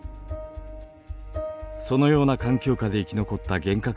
そのような環境下で生き残った原核